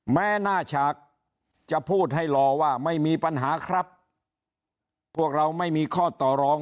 แม้หน้าฉากจะพูดให้รอว่าไม่มีปัญหาครับพวกเราไม่มีข้อต่อรอง